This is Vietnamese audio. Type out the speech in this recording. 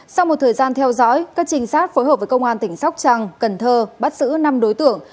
sau một thời gian theo dõi các trinh sát phối hợp với công an tỉnh sóc trăng cần thơ bắt giữ năm đối tượng